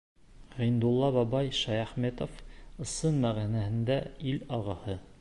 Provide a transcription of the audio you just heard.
Ғиндулла бабай Шәйәхмәтов — ысын мәғәнәһендә ил ағаһы.